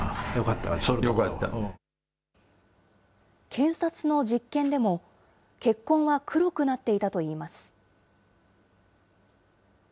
検察の実験でも、血痕は黒くなっていたといいます。